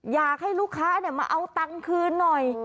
อยากให้ลูกค้ามาเอาตังค์คืนหน่อย